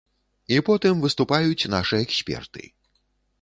І потым выступаюць нашы эксперты.